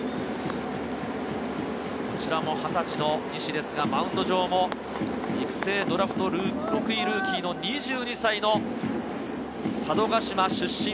こちらも２０歳の西ですが、マウンド上も育成ドラフト６位ルーキーの２２歳の佐渡島出身。